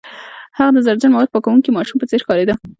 هغه د زهرجن موادو پاکوونکي ماشوم په څیر ښکاریده